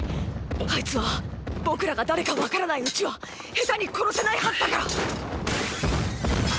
あいつは僕らが誰か分からないうちはヘタに殺せないはずだから。